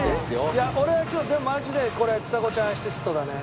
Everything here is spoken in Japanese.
いや俺は今日マジでこれちさ子ちゃんアシストだね。